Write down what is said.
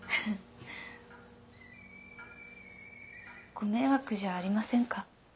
ご迷惑じゃありませんか？